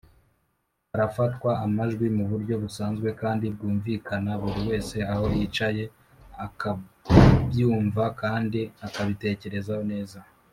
Harafatwa amajwi mu buryo busanzwe kandi bwumvikana buri wese aho yicaye akabyumva kandi akabitekerezaho neza.